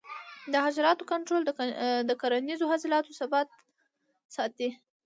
د حشراتو کنټرول د کرنیزو حاصلاتو ثبات ساتي.